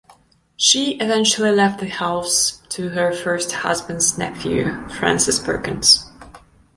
She eventually left the house to her first husband's nephew, Francis Perkins.